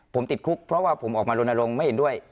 ผมติดคุกเพราะว่าผมออกมารณรงค์ไม่เห็นด้วย